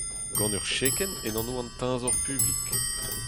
Gant ur chekenn en anv an teñzor publik.